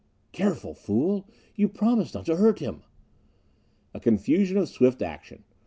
"Careful! Fool you promised not to hurt him!" A confusion of swift action.